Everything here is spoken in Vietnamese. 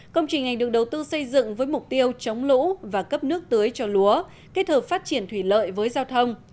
công trình này được đầu tư xây dựng với mục tiêu chống lũ và cấp nước tưới cho lúa kết hợp phát triển thủy lợi với giao thông